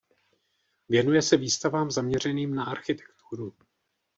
Věnuje se výstavám zaměřeným na architekturu.